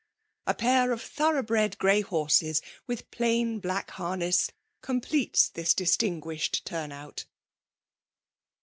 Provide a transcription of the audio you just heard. A pair of th<»^ugh bred grey horses with' plain black hamess, completes this distinguished tum>out.'